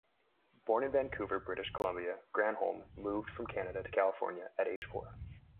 Born in Vancouver, British Columbia, Granholm moved from Canada to California at age four.